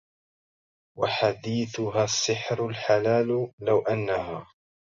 وحديثها السحر الحلال لو انها